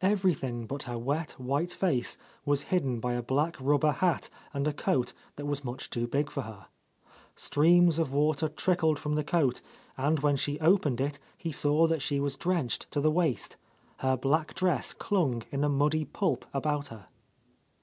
Everything but her wet, white face was hidden by a black rubber hat and a coat tha.t w^s i®itich too big for her. Streams gf water trickled from the coat, and when she opened it he saw that she was drenched tg the waist, — her black dress clung in a muddy pulp about her.